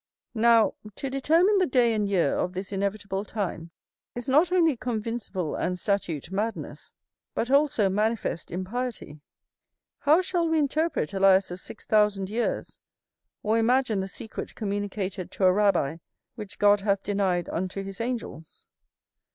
Now, to determine the day and year of this inevitable time, is not only convincible and statute madness, but also manifest impiety. How shall we interpret Elias's six thousand years, or imagine the secret communicated to a Rabbi which God hath denied unto his angels?